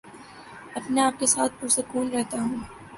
اپنے آپ کے ساتھ پرسکون رہتا ہوں